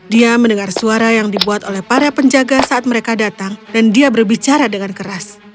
dia mendengar suara yang dibuat oleh para penjaga saat mereka datang dan dia berbicara dengan keras